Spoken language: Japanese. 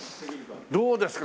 どうですか？